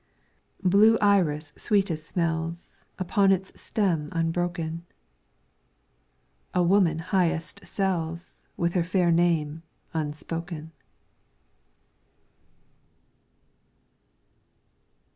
' Blue iris sweetest smells, Upon its stem unbroken. A woman highest sells, With her fair name unspoken.